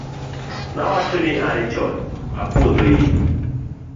nawachoni are chon, apuodho in